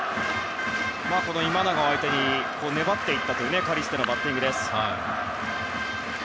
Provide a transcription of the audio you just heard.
今永を相手に粘っていったカリステのバッティングでした。